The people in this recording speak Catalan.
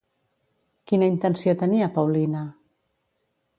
Quina intenció tenia Paulina?